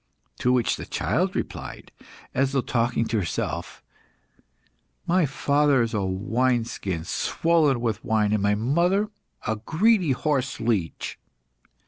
To which the child replied, as though talking to herself "My father is a wine skin swollen with wine, and my mother a greedy horse leech."